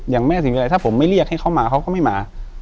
อย่างแม่สิงอะไรถ้าผมไม่เรียกให้เขามาเขาก็ไม่มา